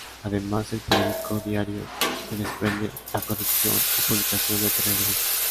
Además, del periódico diario se desprende la producción y publicación de tres revistas.